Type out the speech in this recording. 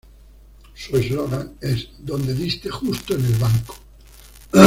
Su eslogan es "Donde diste justo en el banco".